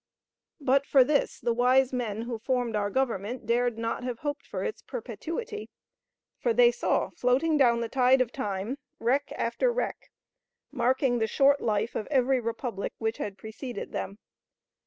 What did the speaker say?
But for this, the wise men who formed our Government dared not have hoped for its perpetuity; for they saw, floating down the tide of time, wreck after wreck, marking the short life of every republic which had preceded them.